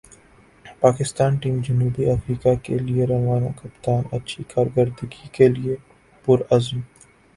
Pakistan team جنوبی افریقہ کیلئے روانہ کپتان اچھی کارکردگی کیلئے پر عزم